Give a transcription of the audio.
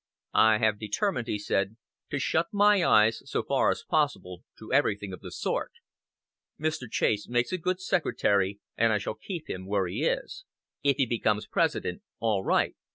"I have determined," he said, "to shut my eyes, so far as possible, to everything of the sort. Mr. Chase makes a good Secretary, and I shall keep him where he is. If he becomes President, all right.